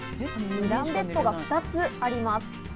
２段ベッドが２つあります。